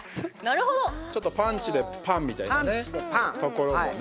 ちょっと、パンチでパンみたいなところもね。